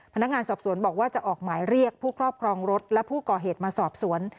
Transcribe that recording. พนักงานสอบสวนบอกว่าจะออกหมายเรียกผู้ครอบครองรถและผู้ก่อเหตุมาสอบสวน